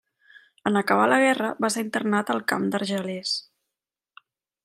En acabar la guerra, va ser internat al camp d’Argelers.